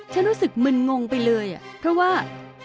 ฉันรู้สึกมึนงงไปเลยเพราะว่า